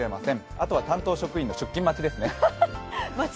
あとは担当職員の出勤待ちですね。